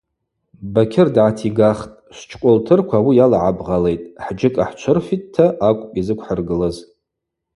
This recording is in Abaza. Бакьыр дгӏатигахтӏ: – Швчкъвылтырква ауи йалагӏабгъалитӏ, хӏджьыкӏа хӏчвырфитӏта акӏвпӏ йзыквхӏыргылыз.